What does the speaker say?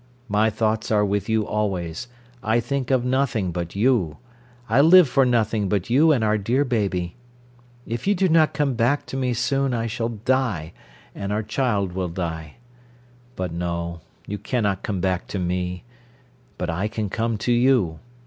My thoughts are with you always, I think of nothing but you, I live for nothing but you and our dear baby. If you do not come back to me soon, I shall die, and our child will die. But no, you cannot come back to me. But I can come to you.